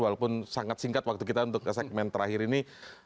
walaupun sangat singkat waktu kita untuk segmen terakhir ini